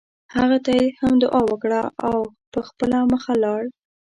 هغه ته یې هم دعا وکړه او په خپله مخه لاړ.